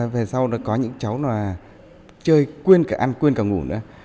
về sau có những cháu chơi quên cả ăn quên cả ngủ nữa